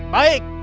baik ada apa